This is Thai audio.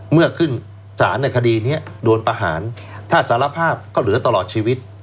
เมื่อขึ้นสารในคดีนี้โดนประหารถ้าสารภาพก็เหลือตลอดชีวิต